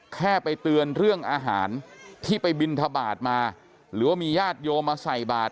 แค่ไปเตือนเรื่องอาหารที่ไปบินทบาทมาหรือว่ามีญาติโยมมาใส่บาท